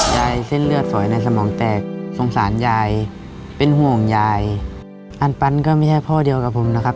เส้นเลือดฝอยในสมองแตกสงสารยายเป็นห่วงยายอันปันก็ไม่ใช่พ่อเดียวกับผมนะครับ